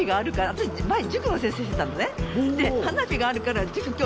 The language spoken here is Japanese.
私前塾の先生してたのね。